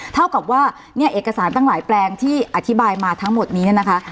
เท่ากับว่าเนี่ยเอกสารตั้งหลายแปลงที่อธิบายมาทั้งหมดนี้เนี่ยนะคะ